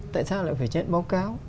tại sao lại phải chết báo cáo